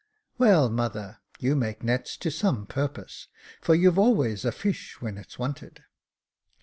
"Well, mother, you make nets to some purpose, for you've always a fish when it's wanted."